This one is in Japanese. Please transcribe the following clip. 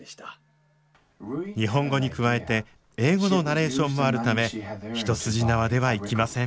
日本語に加えて英語のナレーションもあるため一筋縄ではいきません。